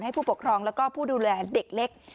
ให้ผู้ปกครองและผู้ดูแลเด็กเล็ก